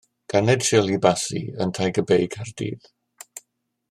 Ganed Shirley Bassey yn Tiger Bay, Caerdydd.